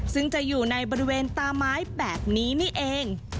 ซึ่งจะอยู่ในบริเวณตาไม้แบบนี้นี่เอง